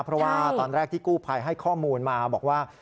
เพราะว่าตอนแรกที่กู้ภัยให้ข้อมูลมาบอกว่า